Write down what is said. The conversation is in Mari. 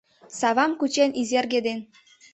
Савам кучен, Изерге ден